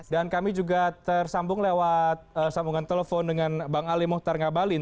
dan kami juga tersambung lewat sambungan telepon dengan bang ali muhtar ngabalin